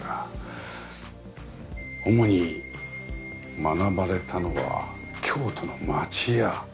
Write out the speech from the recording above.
主に学ばれたのは京都の町家。